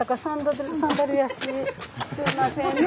すいませんね